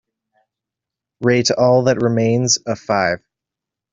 Rate All That Remains a five